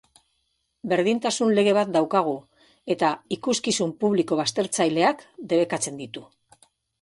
Berdintasun lege bat daukagu, eta ikuskizun publiko baztertzaileak debekatzen ditu.